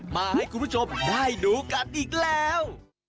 มาให้คุณผู้ชมได้ดูกันอีกแล้ว